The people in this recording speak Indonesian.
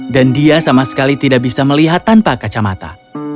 dan dia sama sekali tidak bisa melihat tanpa kacamata